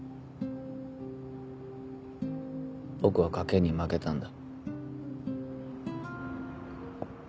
僕は賭けに負けたんだ。